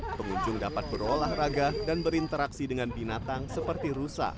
pengunjung dapat berolahraga dan berinteraksi dengan binatang seperti rusa